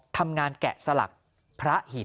ทำงานแกะสลักพระหิน